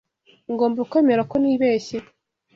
Ngomba kwemera ko nibeshye.